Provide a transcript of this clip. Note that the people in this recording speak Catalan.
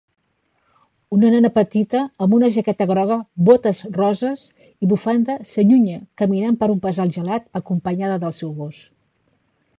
Una nena petita amb una jaqueta groga, botes roses i bufanda s'allunya caminant per un bassal gelat acompanyada del seu gos